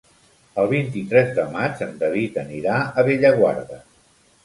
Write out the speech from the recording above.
El vint-i-tres de maig en David anirà a Bellaguarda.